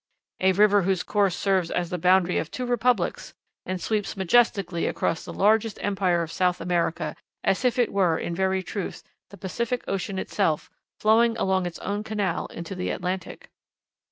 "A river whose course serves as the boundary of two republics, and sweeps majestically across the largest empire of South America, as if it were, in very truth, the Pacific Ocean itself flowing out along its own canal into the Atlantic."